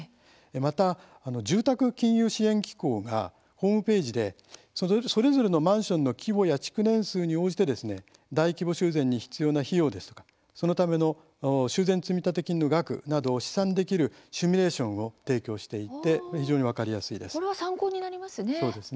また、住宅金融支援機構がホームページでそれぞれのマンションの規模や築年数に応じて大規模修繕に必要な費用やそのための修繕積立金の額などを試算できるシミュレーションを提供していて非常に分かりやすいです。